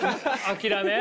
諦め。